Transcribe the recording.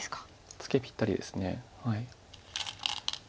ツケぴったりです。